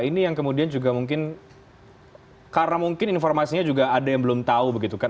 ini yang kemudian juga mungkin karena mungkin informasinya juga ada yang belum tahu begitu kan